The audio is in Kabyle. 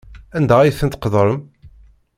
Anda ay ten-tqeddrem?